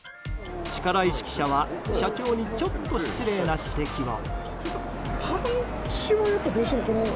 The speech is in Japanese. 力石記者は社長にちょっと失礼な指摘を。